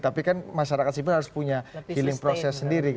tapi kan masyarakat sipil harus punya healing proses sendiri